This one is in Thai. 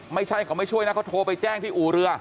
ไม่ใช่เขาไม่ช่วยนะเขาโทรไปแจ้งที่อู่เรือ